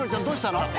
どうしたの？